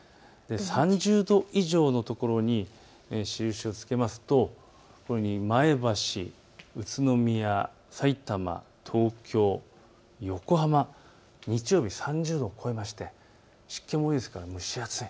３０度以上の所に印をつけますと前橋、宇都宮、さいたま、東京、横浜、日曜日３０度を超えまして湿気も多いですから蒸し暑い。